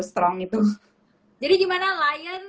strong itu jadi gimana lion